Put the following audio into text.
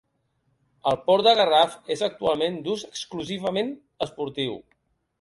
El port de Garraf és actualment d'ús exclusivament esportiu.